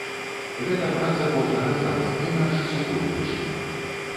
Гэта праца кожнага з нас і наш супольны чын.